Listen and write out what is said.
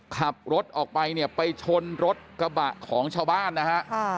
ขับรถออกไปเนี่ยไปชนรถกระบะของชาวบ้านนะฮะ